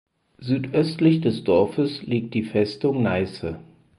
Südöstlich des Dorfes liegt die Festung Neisse.